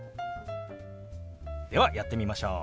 ではやってみましょう！